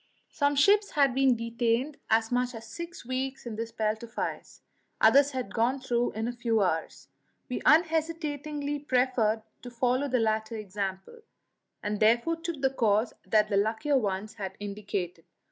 Some ships had been detained as much as six weeks in this belt of ice; others had gone through in a few hours. We unhesitatingly preferred to follow the latter example, and therefore took the course that the luckier ones had indicated.